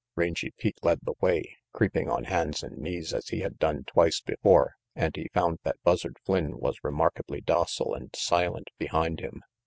Rangy Pete led the way, creeping on hands and knees as he had done twice before, and he found that Buzzard Flynn was remarkably docile and silent behind him.